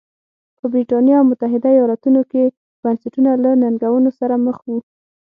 په برېټانیا او متحده ایالتونو کې بنسټونه له ننګونو سره مخ وو.